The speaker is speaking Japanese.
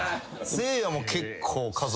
せいやも結構家族。